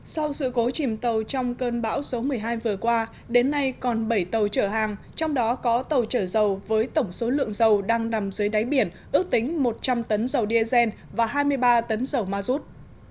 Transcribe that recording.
sau sự cố chìm tàu trong cơn bão số một mươi hai vừa qua đến nay còn bảy tàu chở hàng trong đó có tàu chở dầu với tổng số lượng dầu đang nằm dưới đáy biển ước tính một trăm linh tấn dầu diesel và hai mươi ba tấn dầu ma rút